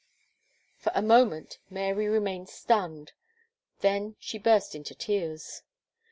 For a moment, Mary remained stunned; then she burst into tears.